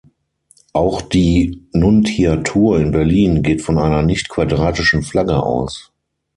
Auch die Nuntiatur in Berlin geht von einer nicht quadratischen Flagge aus.